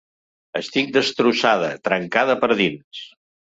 Estic destrossada, trencada per dins.